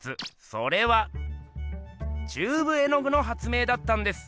それはチューブ絵具の発明だったんです！